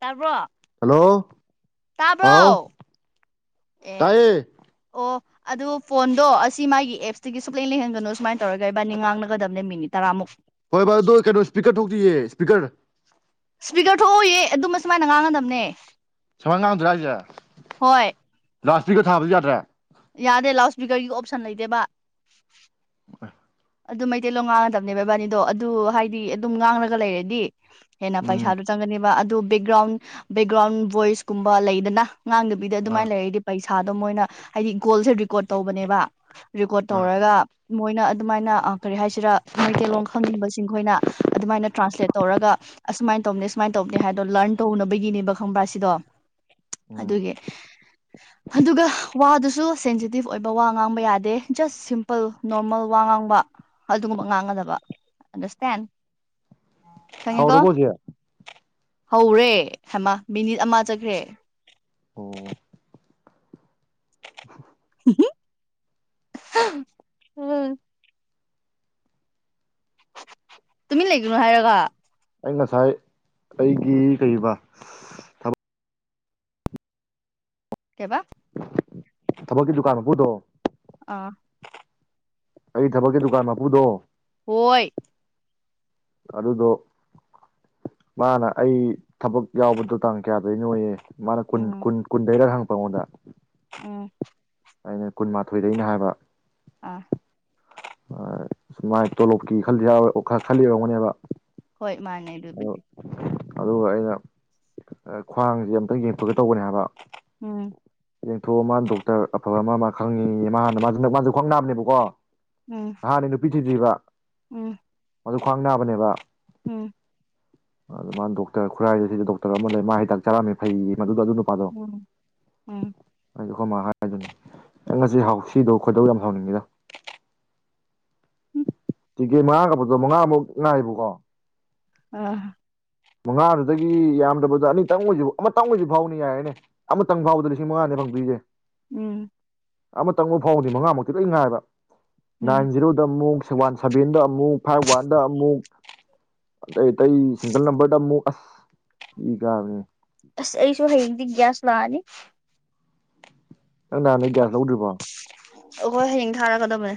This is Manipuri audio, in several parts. ꯇꯥꯕ꯭ꯔꯣ ꯍꯜꯂꯣ ꯇꯥꯕ꯭ꯔꯣ ꯍꯥꯎ ꯑꯦ ꯇꯥꯏꯌꯦ ꯑꯣ ꯑꯗꯨꯣ ꯐꯣꯟꯗꯣ ꯑꯁꯤ ꯃꯥꯒꯤ ꯑꯦꯞꯁꯇꯒꯤ ꯁꯨꯛꯂꯦꯟ ꯂꯩꯍꯟꯒꯅꯨ ꯁꯨꯃꯥꯏꯅ ꯇꯧꯔꯒꯩꯕꯥꯅꯤ ꯉꯥꯡꯅꯒꯗꯕꯅꯦ ꯃꯤꯅꯤꯠ ꯇꯔꯥꯃꯨꯛ ꯍꯣꯏ ꯚ ꯑꯗꯣ ꯀꯩꯅꯣ ꯏꯁꯄꯤꯀꯔ ꯊꯣꯛꯇꯤꯌꯦ ꯏꯁꯄꯤꯀꯔ ꯏꯁꯄꯤꯀꯔ ꯊꯣꯛ ꯑꯣꯏꯏꯌꯦ ꯑꯗꯨꯝꯃ ꯁꯨꯃꯥꯏꯅ ꯉꯥꯡꯒꯗꯕꯅꯦ ꯁꯨꯃꯥꯏ ꯉꯥꯡꯗ꯭ꯔꯥ ꯍꯥꯏꯁꯦ ꯍꯣꯏ ꯔꯥꯁꯇꯤꯛꯀ ꯊꯥꯕꯁꯨ ꯌꯥꯗ꯭ꯔꯦ ꯌꯥꯗꯦ ꯂꯥꯎꯠ ꯁ꯭ꯄꯤꯀꯔꯒꯤ ꯑꯣꯞꯁꯟ ꯂꯩꯇꯦꯕ ꯑ ꯑꯗꯨ ꯃꯩꯇꯩꯂꯣ ꯉꯥꯡꯉꯗꯕꯅꯦ ꯕꯕꯥꯅꯤꯗꯣ ꯑꯗꯨ ꯍꯥꯏꯗꯤ ꯑꯗꯨꯝ ꯉꯥꯡꯂꯒ ꯂꯩꯔꯗꯤ ꯍꯦꯟꯅ ꯎꯝ ꯄꯩꯁꯥꯗꯨꯣ ꯆꯪꯒꯅꯦꯕ ꯑꯗꯨ ꯕꯦꯛꯒ꯭ꯔꯥꯎꯟ ꯕꯦꯛꯒ꯭ꯔꯥꯎꯟ ꯕꯣꯏꯁꯀꯨꯝꯕ ꯂꯩꯗꯅ ꯑꯉꯥꯡꯗꯨ ꯕꯤꯗ ꯑꯥ ꯑꯗꯨꯃꯥꯏꯅ ꯂꯩꯔꯗꯤ ꯄꯩꯁꯥꯗꯣ ꯃꯣꯏꯅ ꯍꯥꯏꯗꯤ ꯒꯣꯜꯁꯦ ꯦꯀꯣꯔꯠ ꯇꯧꯕꯅꯦꯕ ꯔꯦꯀꯣꯔꯠ ꯑꯥ ꯇꯧꯔꯒ ꯃꯣꯏꯅ ꯑꯗꯨꯃꯥꯏꯅ ꯀꯔꯤ ꯍꯥꯏꯁꯤꯔꯥ ꯃꯩꯇꯩꯂꯣꯟ ꯈꯪꯅꯤꯡꯕꯁꯤꯡ ꯑꯩꯈꯣꯏꯅ ꯑꯗꯨꯃꯥꯏꯅ ꯇ꯭ꯔꯥꯟꯁꯂꯦꯠ ꯇꯧꯔꯒ ꯑꯁꯁꯨꯃꯥꯏꯅ ꯇꯧꯅꯦ ꯁꯨꯃꯥꯏꯅ ꯇꯧꯅꯦ ꯍꯥꯏꯗꯣ ꯂꯔꯟ ꯇꯧꯅꯕꯒꯤꯅꯦꯕ ꯈꯪꯕ꯭ꯔꯥ ꯁꯤꯗꯣ ꯎꯝ ꯑꯗꯨꯒꯤ ꯑꯗꯨꯒ ꯋꯥꯗꯨꯁꯨ ꯁꯦꯟꯖꯤꯠ ꯤꯞ ꯑꯣꯏꯕ ꯋꯥ ꯉꯥꯡꯕ ꯌꯥꯗꯦ ꯖꯁ ꯁꯤꯝꯄꯜ ꯅꯣꯔꯃꯦꯜ ꯋꯥ ꯉꯥꯡꯕ ꯑꯗꯨꯒꯨꯝꯕ ꯉꯥꯡꯒꯗꯕ ꯑꯟꯗꯔꯁꯇꯦꯟ ꯈꯪꯉꯦꯀꯣ ꯍꯥꯎꯔꯕꯣ ꯍꯧꯖꯤꯛ ꯍꯧꯔꯦ ꯍꯥꯏꯃ ꯃꯤꯅꯤꯠ ꯑꯃ ꯆꯠꯈ꯭ꯔꯦ ꯑꯣ ꯎꯝ ꯇꯨꯃꯤꯟꯅ ꯂꯩꯒꯅꯨ ꯍꯥꯏꯔꯒ ꯑꯩ ꯉꯁꯥꯏ ꯑꯩꯒꯤ ꯀꯔꯤꯕ ꯀꯦꯕ ꯊꯕꯛꯀꯤ ꯗꯨꯀꯥꯟꯕꯨꯗꯣ ꯑꯥ ꯑꯩ ꯊꯕꯛꯀꯤ ꯗꯨꯀꯥꯟ ꯃꯄꯨꯗꯣ ꯍꯣꯏ ꯑꯗꯨꯗꯣ ꯃꯥꯅ ꯑꯩ ꯊꯕꯛ ꯌꯥꯎꯕꯗ ꯇꯥꯡ ꯀꯌꯥꯗꯩꯅꯣꯌꯦ ꯃꯥꯅ ꯀꯨꯟ ꯎꯝ ꯀꯨꯟ ꯀꯨꯟꯗꯩꯔ ꯍꯪꯉꯛꯄ ꯑꯉꯣꯟꯗ ꯎꯝ ꯑꯩꯅ ꯀꯨꯟꯃꯥꯊꯣꯏꯗꯩꯅꯦ ꯍꯥꯏꯕ ꯑꯥ ꯃꯥꯏ ꯁꯨꯃꯥꯏ ꯇꯣꯂꯣꯞꯀꯤ ꯈꯜꯂꯤꯔꯥꯎꯏ ꯑꯣꯛꯈꯥꯛ ꯈꯜꯂꯤ ꯑꯣꯏꯔꯝꯒꯅꯤꯕ ꯍꯣꯏ ꯃꯥꯅꯦ ꯑꯗꯨꯕꯨꯗꯤ ꯑꯗꯨꯒ ꯑꯩꯅ ꯈ꯭ꯋꯥꯡꯁꯖꯦ ꯑꯝꯇ ꯌꯦꯡꯊꯣꯀꯦ ꯇꯧꯕꯅꯦ ꯍꯥꯏꯕ ꯎꯝ ꯌꯦꯡꯊꯣꯛꯑꯣ ꯃꯥ ꯗꯣꯛꯇꯔ ꯑꯐꯕ ꯑꯃ ꯃ ꯈꯪꯉꯦꯌꯦ ꯃꯥ ꯍꯅ ꯃꯥꯖꯨ ꯅ ꯈꯋꯥꯡ ꯅꯕꯅꯦꯕꯒꯣ ꯎꯝ ꯍꯥꯟꯅꯩ ꯅꯨꯄꯤ ꯊꯤꯗꯤꯕ ꯎꯝ ꯃꯖꯨ ꯈ꯭ꯋꯥꯡ ꯅꯥꯕꯅꯦꯕ ꯎꯝ ꯑꯗꯨ ꯃꯥ ꯗꯣꯛꯇꯔ ꯈꯨꯔꯥꯏꯗ ꯗꯤ ꯗꯣꯛꯇꯔ ꯑꯃ ꯂꯩ ꯃꯥ ꯍꯤꯗꯥꯛ ꯆꯥꯔꯝꯃꯦ ꯐꯩꯌꯦ ꯃꯗꯨꯗꯣ ꯑꯗꯨ ꯅꯨꯄꯥꯗꯣ ꯎꯝ ꯎꯝ ꯑꯩꯗꯨ ꯑꯈꯣꯏ ꯃꯥ ꯍꯥꯏꯗꯨꯟ ꯅꯪ ꯉꯁꯤ ꯍꯥꯎꯁꯤꯗꯣ ꯈꯣꯏꯗꯧ ꯌꯥꯝ ꯁꯥꯎꯅꯤꯡꯉꯤꯗꯥ ꯍꯝ ꯇꯤꯀꯦꯠ ꯃꯉꯥ ꯀꯛꯄꯗꯣ ꯃꯉꯥꯃꯨꯛ ꯉꯥꯏꯌꯦꯕꯒꯣ ꯑ ꯃꯉꯥꯗꯨꯗꯒꯤ ꯌꯥꯝꯗꯕꯗ ꯑꯅꯤꯇꯪ ꯑꯣꯏꯖꯨ ꯑꯃꯇꯪ ꯑꯣꯏꯖꯨ ꯐꯥꯎꯅꯤ ꯌꯥꯔꯦꯅꯦ ꯑꯃꯇꯪ ꯐꯥꯎꯕꯗ ꯂꯤꯁꯤꯡ ꯃꯉꯥꯅꯤ ꯐꯪꯗꯣꯏꯁꯦ ꯎꯝ ꯑꯃꯇꯪ ꯕꯨ ꯐꯥꯎꯗꯤ ꯃꯉꯥꯃꯛꯇꯤ ꯂꯣꯏ ꯉꯥꯏꯕ ꯅꯥꯏꯟ ꯎꯝ ꯖꯤꯔꯣꯗ ꯑꯃꯨꯛ ꯋꯥꯟ ꯁꯚꯦꯟꯗ ꯑꯃꯨꯛ ꯐꯥꯏꯚ ꯋꯥꯟꯗ ꯑꯃꯨꯛ ꯑꯇꯩ ꯑꯇꯩ ꯁꯤꯡꯒꯜ ꯅꯝꯕꯔꯗ ꯑꯃꯨꯛ ꯑꯁ ꯏ ꯀꯥꯕꯅꯦ ꯑꯁ ꯑꯩꯁꯨ ꯍꯌꯦꯡꯗꯤ ꯒ꯭ꯌꯥꯁ ꯂꯥꯛꯑꯅꯤ ꯅꯪ ꯅꯥꯟ ꯗꯩ ꯒꯌꯥꯁ ꯂꯧꯗ꯭ꯔꯤꯕꯣ ꯑꯈꯣꯏ ꯍꯌꯦꯡ ꯊꯥꯔꯛꯀꯗꯕꯅꯦ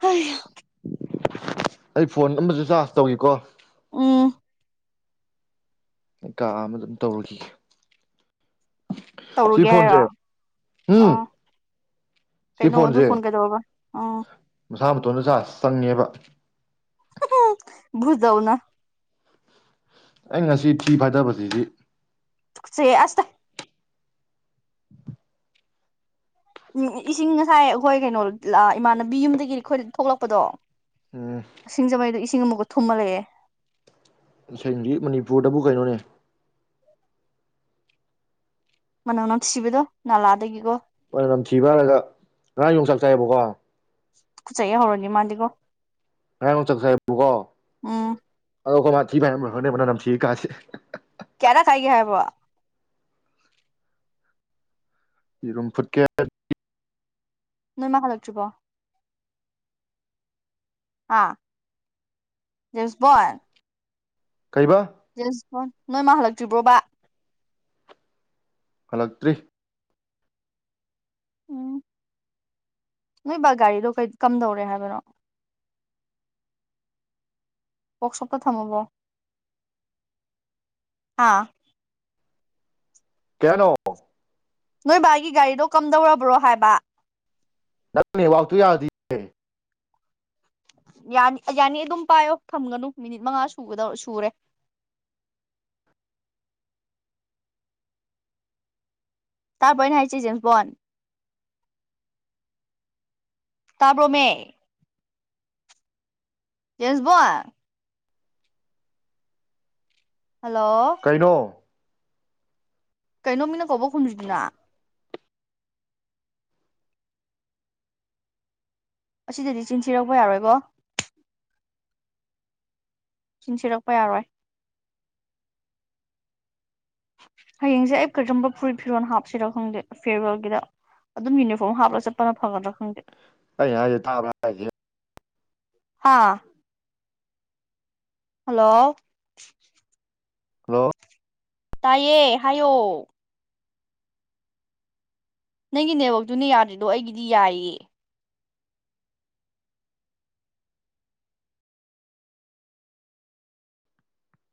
ꯍꯩꯌ ꯑꯩ ꯐꯣꯟ ꯑꯃꯖꯨ ꯆꯥꯖ ꯇꯧꯏꯀꯣ ꯎꯝ ꯀꯥ ꯑꯃꯗ ꯑꯗꯨꯝ ꯇꯧꯔꯈꯤꯒꯦ ꯁꯤ ꯇꯧꯔꯨꯒꯦ ꯐꯣꯟꯖꯦ ꯍꯥꯏꯔꯣ ꯎꯝ ꯑꯥ ꯁꯤ ꯀꯩꯅꯣ ꯑꯗꯨ ꯐꯣꯟꯁꯦ ꯐꯣꯟ ꯀꯩꯗꯧꯔꯕ ꯎꯝ ꯃꯁꯥ ꯃꯇꯣꯟꯗ ꯆꯥꯔꯁ ꯆꯪꯉꯦꯕ ꯎꯝ ꯕ꯭ꯔꯨꯗꯧꯅ ꯑꯩ ꯉꯁꯤ ꯊꯤ ꯐꯥꯏꯗꯕꯖꯤꯗꯤ ꯇꯨꯀꯆꯩꯌꯦ ꯑꯁ ꯎꯝ ꯏꯁꯤꯡ ꯉꯁꯥꯏ ꯑꯈꯣꯏ ꯀꯩꯅꯣ ꯂ ꯏꯃꯥꯟꯅꯕꯤ ꯌꯨꯝꯗꯒꯤꯗꯤ ꯑꯈꯣꯏ ꯊꯣꯛꯂꯛꯄꯗꯣ ꯎꯝ ꯁꯤꯡꯖꯃꯩꯗꯨ ꯏꯁꯤꯡ ꯑꯃꯨꯛꯀ ꯊꯨꯝꯃ ꯂꯩꯑꯦ ꯏꯁꯤꯡꯗꯤ ꯃꯅꯤꯄꯨꯔꯗꯕꯨ ꯀꯩꯅꯣꯅꯦ ꯃꯅꯝ ꯅꯝꯊꯤꯕꯗꯣ ꯅꯂꯥꯗꯒꯤꯒꯣ ꯃꯅꯝ ꯅꯝꯊꯤꯕ ꯍꯥꯏꯔꯒ ꯉꯔꯥꯡ ꯌꯣꯡꯆꯥꯛ ꯆꯥꯏꯌꯦꯕꯀꯣ ꯇꯨꯀꯠꯆꯩꯌꯦ ꯍꯧꯔꯥꯅꯤ ꯃꯗꯤꯟꯒꯣ ꯉꯔꯥꯡ ꯌꯣꯡꯆꯥꯛ ꯆꯥꯏꯌꯦꯕꯒꯣ ꯎꯝ ꯑꯗꯣ ꯑꯈꯣꯏꯃꯥ ꯊꯤ ꯐꯥꯏꯔꯝꯕ꯭ꯔꯥ ꯈꯪꯗꯦ ꯃꯅꯝ ꯅꯝꯊꯤꯌꯦ ꯀꯥꯁꯦ [unintelligible] ꯌꯦꯔꯨꯝ ꯐꯨꯠꯀꯦꯠ ꯅꯣꯏꯃꯥ ꯍꯜꯂꯛꯇ꯭ꯔꯤꯕꯣ ꯑꯥ ꯖꯦꯁꯕꯣꯟ ꯀꯩꯕ ꯌꯦꯁꯕꯣꯟ ꯅꯣꯏ ꯃꯥ ꯍꯜꯂꯛꯇ꯭ꯔꯤꯕ꯭ꯔꯣꯕ ꯍꯜꯂꯛꯇ꯭ꯔꯤ ꯎꯝ ꯅꯣꯏ ꯕꯥ ꯒꯥꯔꯤꯗꯣ ꯀꯩ ꯀꯝꯗꯧꯔꯦ ꯍꯥꯏꯕꯅꯣ ꯋꯥꯛꯁꯣꯞꯇ ꯊꯝꯃꯕ ꯑꯥ ꯀꯩ ꯍꯥꯏꯅꯣ ꯅꯣꯏ ꯕꯥꯒꯤ ꯒꯥꯔꯤꯗꯣ ꯀꯝꯗꯧꯔꯕ꯭ꯔꯣ ꯍꯥꯏꯕ ꯅꯪ ꯅꯦꯋꯥꯛꯇꯨ ꯌꯥꯗꯤ ꯌꯥꯅꯤ ꯌꯥꯅꯤ ꯑꯗꯨꯝ ꯄꯥꯏꯌꯣ ꯊꯝꯒꯅꯨ ꯃꯤꯅꯤꯠ ꯃꯉꯥ ꯁꯨꯒꯗꯧ ꯁꯨꯔꯦ ꯇꯥꯕ꯭ꯔꯣ ꯑꯩꯅ ꯍꯥꯏꯁꯤ ꯖꯦꯝꯁꯕꯣꯟ ꯇꯥꯕ꯭ꯔꯣ ꯃꯦ ꯖꯦꯝꯁꯕꯣꯟ ꯍꯜꯂꯣ ꯀꯩꯅꯣ ꯀꯩꯅꯣ ꯃꯤꯅ ꯀꯧꯕ ꯈꯨꯝꯗ꯭ꯔꯤꯗꯨꯅ ꯑꯁꯤꯗꯗꯤ ꯆꯤꯟ ꯊꯔꯛꯄ ꯌꯥꯔꯣꯏꯕꯣ ꯆꯤꯟ ꯊꯤꯔꯛꯄ ꯌꯥꯔꯣꯏ ꯍꯌꯦꯡꯁꯦ ꯑꯩ ꯀꯔꯤꯔꯝꯕ ꯐꯨꯔꯤꯠ ꯐꯤꯔꯣꯜ ꯍꯥꯞꯁꯤꯔꯣ ꯈꯪꯗꯦ ꯐꯦꯔꯋꯦꯜꯒꯤꯗ ꯑꯗꯨꯝ ꯌꯨꯅꯤꯐꯣꯔꯝ ꯍꯥꯞꯂꯒ ꯆꯠꯄꯅ ꯐꯒꯗ꯭ꯔꯥ ꯈꯪꯗꯦ ꯑꯩꯅ ꯍꯥꯏꯖꯦ ꯇꯥꯕ꯭ꯔꯥ ꯍꯥꯏꯖꯦ ꯍꯥꯥ ꯍꯜꯂꯣ [inaudible] ꯍꯜꯂꯣ ꯇꯥꯏꯌꯦ ꯍꯥꯏꯌꯣ ꯅꯪꯒꯤ ꯅꯦꯋꯛꯇꯨꯅ ꯌꯥꯗ꯭ꯔꯤꯗꯣ ꯑꯩꯒꯤꯗꯤ ꯌꯥꯏꯌꯦ